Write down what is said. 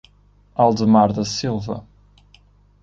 Aldemar da Silva